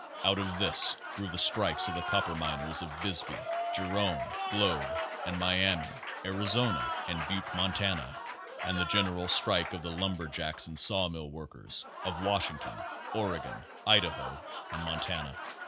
Out of this grew the strikes of the copper miners of Bisbee, Jerome, Globe and Miami, Arizona, and Butte, Montana, and the general strike of the lumber jacks and sawmill workers of Washington, Oregon, Idaho and Montana.